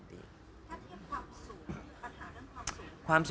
ถ้าเชี่ยวถามสู่ปัญหาเรื่องความสู่